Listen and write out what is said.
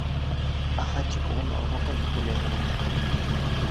Ә Хатико уны онота тип уйлайһығыҙмы?